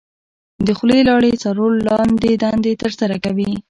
د خولې لاړې څلور لاندې دندې تر سره کوي.